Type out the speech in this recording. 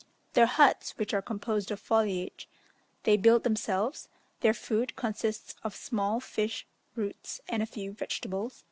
Their huts, which are composed of foliage, they build themselves; their food consists of small fish, roots, and a few vegetables.